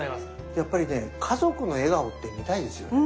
やっぱりね家族の笑顔って見たいですよね。